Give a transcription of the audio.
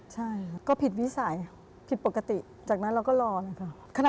ใช่ก็ผิดวิสัยผิดปกติจากนั้นเราก็รอนะครับ